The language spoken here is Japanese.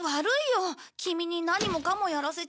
キミに何もかもやらせちゃ。